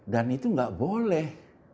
dan itu gak boleh